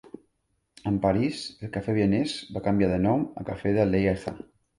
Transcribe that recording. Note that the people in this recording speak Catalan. En París, el café vienés va canviar de nom a café de Lieja.